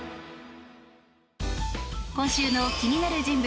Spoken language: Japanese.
今週の気になる人物